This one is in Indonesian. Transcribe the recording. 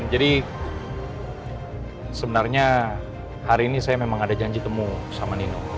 jadi sebenarnya hari ini saya memang ada janji temu sama nino